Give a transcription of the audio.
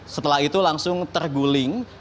setelah itu langsung terguling